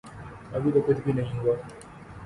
ابھی تو کچھ بھی نہیں ہوا۔